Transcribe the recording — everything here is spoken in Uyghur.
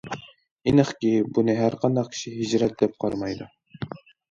ئېنىقكى، بۇنى ھەر قانداق كىشى ھىجرەت، دەپ قارىمايدۇ.